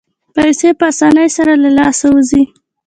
پیسې په اسانۍ سره له لاسه وځي.